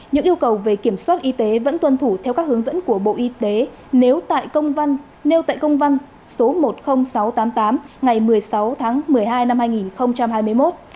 những yêu cầu về kiểm soát y tế vẫn tuân thủ theo các hướng dẫn của bộ y tế nếu tại công văn nêu tại công văn số một mươi nghìn sáu trăm tám mươi tám ngày một mươi sáu tháng một mươi hai năm hai nghìn hai mươi một